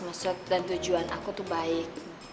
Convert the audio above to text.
mas suet dan tujuan aku tuh baik